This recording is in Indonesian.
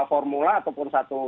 formula ataupun satu